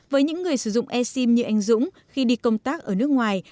với những người sử dụng e sim như anh dũng khi đi công tác ở nước ngoài